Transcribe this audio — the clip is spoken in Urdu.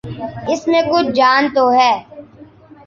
اس میں کچھ جان تو ہے۔